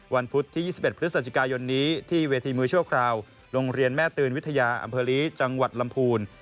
พุธที่๒๑พฤศจิกายนนี้ที่เวทีมวยชั่วคราวโรงเรียนแม่ตืนวิทยาอำเภอลีจังหวัดลำพูน